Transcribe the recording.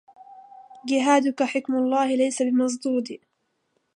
جهادك حكم الله ليس بمصدود